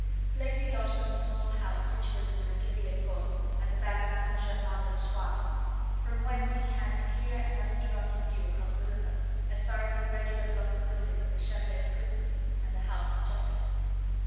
Blakeney lodged in a small house situated on the Quai de l'Ecole, at the back of St. Germain l'Auxerrois, from whence he had a clear and uninterrupted view across the river, as far as the irregular block of buildings of the Chatelet prison and the house of Justice.